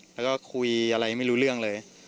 แล้วก็คุยอะไรไม่รู้เรื่องเลย